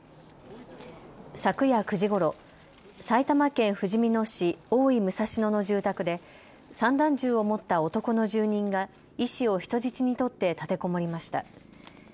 昨夜９時ごろ、埼玉県ふじみ野市大井武蔵野の住宅で散弾銃を持った男の住人が医師を人質に取って立てこもりました。